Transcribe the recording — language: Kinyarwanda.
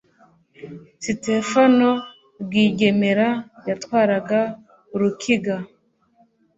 sitefano rwigemera yatwaraga urukiga